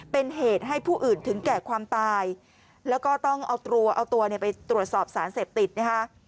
เป็นเหตุให้ผู้อื่นถึงแก่ความตายแล้วก็ต้องเอาตัวเอาตัวเนี่ยไปตรวจสอบสารเสพติดนะคะ